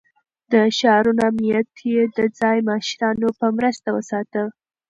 د ښارونو امنيت يې د ځايي مشرانو په مرسته ساته.